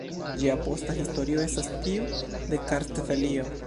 Ĝia posta historio estas tiu de Kartvelio.